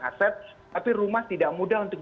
aset tapi rumah tidak mudah untuk